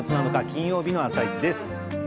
金曜日の「あさイチ」です。